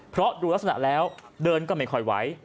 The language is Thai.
เพราะดูลักษณะแล้วเดินก็ไม่ค่อยไหว